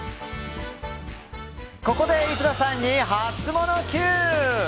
ここで井戸田さんにハツモノＱ！